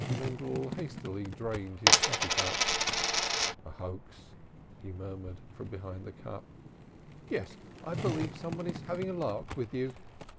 Mendel hastily drained his coffee cup. "A hoax!" he murmured, from behind the cup. "Yes, I believe some one is having a lark with you."